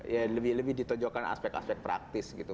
ya lebih lebih ditujukan aspek aspek praktis gitu